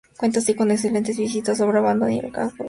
Cuenta así con excelentes vistas sobre Abando y el Casco Viejo.